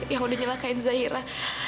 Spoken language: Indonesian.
yang sudah mencelakai zahira